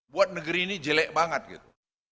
buat negeri ini jelek banget gitu